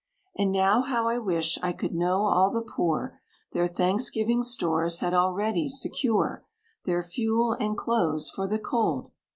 And now how I wish I could know all the poor Their Thanksgiving stores had already secure, Their fuel, and clothes for the cold!"